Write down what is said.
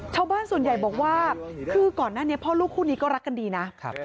ชาวบ้านส่วนใหญ่บอกว่าคือก่อนหน้านี้พ่อลูกคู่นี้ก็รักกันดีนะ